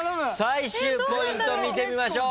最終ポイント見てみましょう。